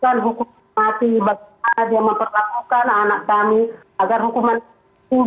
bukan hukuman mati bagaimana dia memperlakukan anak kami agar hukuman timbal